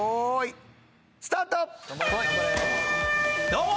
どうも。